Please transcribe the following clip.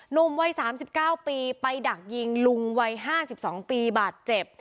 นมวัยสามสิบเก้าปีไปดักยิงลุงวัยห้าสิบสองปีบาดเจ็บ